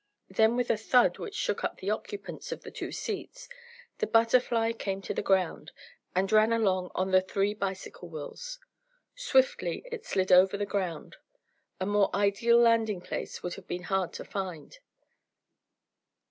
Then with a thud which shook up the occupants of the two seats, the BUTTERFLY came to the ground, and ran along on the three bicycle wheels. Swiftly it slid over the level ground. A more ideal landing place would have been hard to find.